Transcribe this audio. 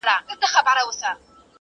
انا په ډېرې غوسې سره هغه له ځانه وواهه.